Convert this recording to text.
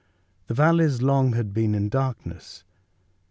The valleys long had been in darkness.